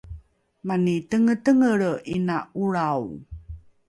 mani tengetengelre ’ina ’olrao